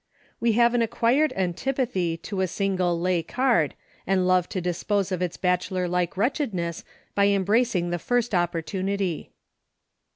We have an acquired antipathy to a single lay card and love to dis pose of its bachelor like wretchedness by em embracing the first opportunity.